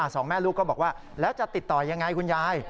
สองแม่ลูกก็บอกว่าแล้วจะติดต่อยังไงคุณยาย